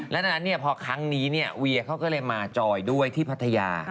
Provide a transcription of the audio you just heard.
ดังนั้นพอครั้งนี้เนี่ยเวียเขาก็เลยมาจอยด้วยที่พัทยา